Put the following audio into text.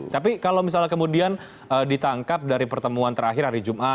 tapi kalau misalnya kemudian ditangkap dari pertemuan terakhir hari jumat